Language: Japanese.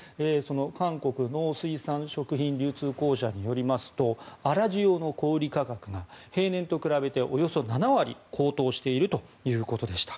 韓国農水産食品流通公社によりますと粗塩の小売価格が平年と比べておよそ７割高騰しているということでした。